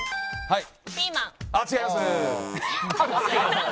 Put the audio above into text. はい。